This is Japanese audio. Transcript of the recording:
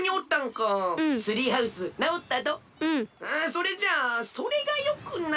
それじゃそれがよくない。